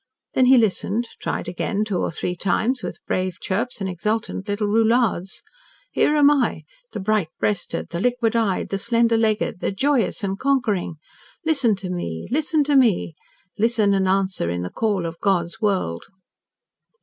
Then he listened, tried again two or three times, with brave chirps and exultant little roulades. "Here am I, the bright breasted, the liquid eyed, the slender legged, the joyous and conquering! Listen to me listen to me. Listen and answer in the call of God's world."